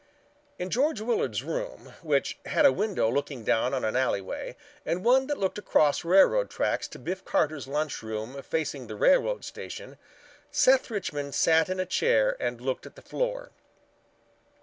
In George Willard's room, which had a window looking down into an alleyway and one that looked across railroad tracks to Biff Carter's Lunch Room facing the railroad station, Seth Richmond sat in a chair and looked at the floor.